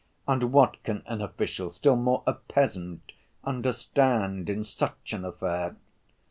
and "What can an official, still more a peasant, understand in such an affair?"